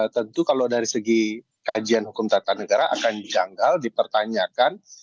tentu kalau dari segi kajian hukum tata negara akan janggal dipertanyakan